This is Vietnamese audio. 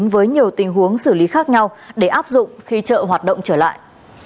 với nhiều tình huống xử lý khác nhau để áp dụng khi chợ hoạt động trở lại